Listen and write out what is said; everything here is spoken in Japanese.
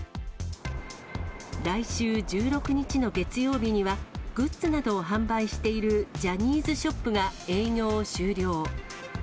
来週１６日の月曜日には、グッズなどを販売しているジャニーズショップが営業を終了。